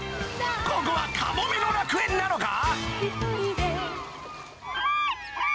ここはカモメの楽園なのか？